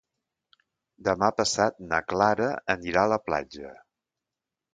Demà passat na Clara anirà a la platja.